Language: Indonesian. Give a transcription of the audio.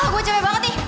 gue capek banget nih